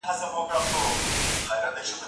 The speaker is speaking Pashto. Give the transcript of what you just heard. موږ بايد خپل عزت له بدو کسانو وساتو.